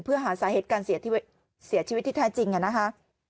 เพื่อหาสาเหตุการเสียชีวิตที่แท้จริงนะคะ